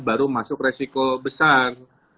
baru masuk resiko besar